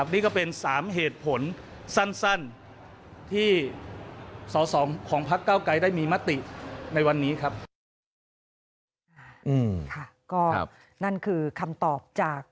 นี่ก็เป็น๓เหตุผลสั้นที่สอสอของพักเก้าไกรได้มีมติในวันนี้ครับ